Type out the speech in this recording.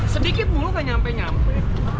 sedikit mulu gak nyampe nyampe